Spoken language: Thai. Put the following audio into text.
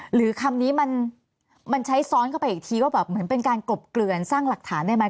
หรือคำนี้มันใช้ซ้อนเข้าไปอีกทีว่าแบบเหมือนเป็นการกลบเกลื่อนสร้างหลักฐานได้ไหม